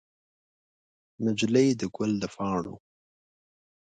نجلۍ د ګل د پاڼو